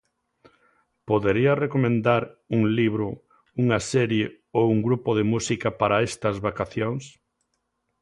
Podería recomendar un libro, unha serie ou un grupo de música para estas vacacións?